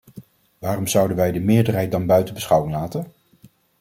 Waarom zouden wij de meerderheid dan buiten beschouwing laten?